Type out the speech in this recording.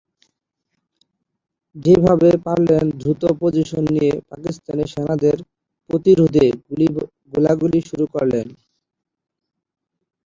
যে যেভাবে পারলেন দ্রুত পজিশন নিয়ে পাকিস্তানি সেনাদের প্রতিরোধে গোলাগুলি শুরু করলেন।